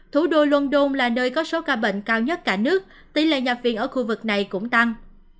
thủ đô london là nơi có số ca bệnh cao nhất cả nước tỷ lệ nhập viện ở khu vực này cũng tăng